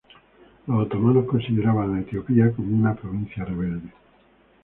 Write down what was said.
Los otomanos consideraban a Etiopía como una provincia rebelde.